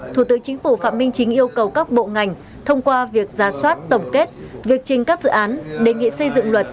thủ tướng chính phủ phạm minh chính yêu cầu các bộ ngành thông qua việc ra soát tổng kết việc trình các dự án đề nghị xây dựng luật